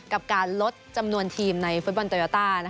กับการลดจำนวนทีมในฟุตบอลโตโยต้า